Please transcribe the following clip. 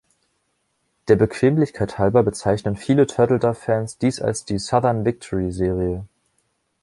Der Bequemlichkeit halber bezeichnen viele Turtledove-Fans dies als die „Southern Victory“-Serie.